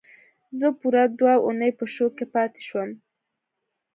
زه پوره دوه اونۍ په شوک کې پاتې شوم